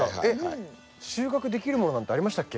収穫できるものなんてありましたっけ？